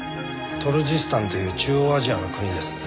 トルジスタンという中央アジアの国です。